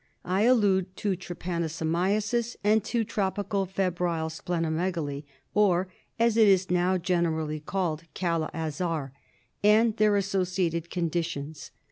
I allude to trypanosomiasis and to tropical febrile splenomegaly or, as it is now generally called, Kala Azar, and their associated conditions.